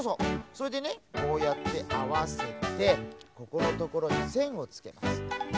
それでねこうやってあわせてここのところにせんをつけますね。